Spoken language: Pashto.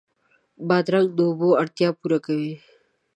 بادرنګ د اوبو اړتیا پوره کوي.